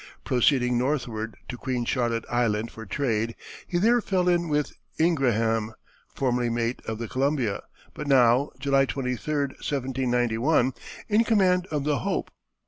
Proceeding northward to Queen Charlotte Island for trade, he there fell in with Ingraham, formerly mate of the Columbia, but now, July 23, 1791, in command of the Hope.